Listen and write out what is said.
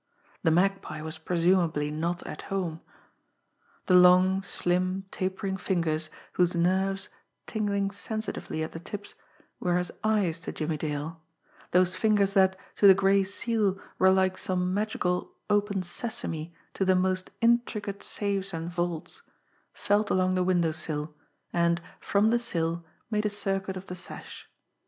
The Magpie was presumably not at home! The long, slim, tapering fingers, whose nerves, tingling sensitively at the tips, were as eyes to Jimmie Dale, those fingers that, to the Gray Seal, were like some magical "open sesame" to the most intricate safes and vaults, felt along the window sill, and, from the sill, made a circuit of the sash.